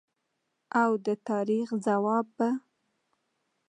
او د تاریخ ځواب به